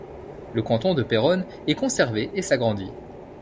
Le canton de Péronne est conservé et s'agrandit.